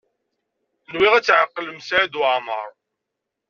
Nwiɣ ad tɛeqlem Saɛid Waɛmaṛ.